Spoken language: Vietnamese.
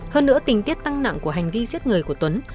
hơn nữa tình tiết tăng nặng của hành vi giết người của tuấn